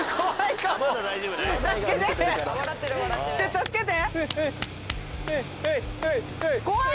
助けて！